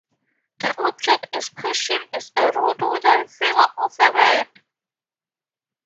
The object in question is a rude wooden figure of a man.